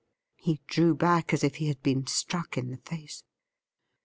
'' He drew back as if he had been struck in the face.